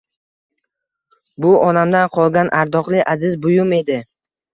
Bu onamdan qolgan ardoqli, aziz buyum edi